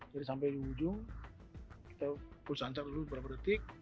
jadi sampai di ujung kita put sansak dulu beberapa detik